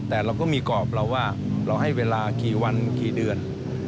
แต่เราก็มีกรอบเราว่าเราให้เวลากี่วันกี่เดือน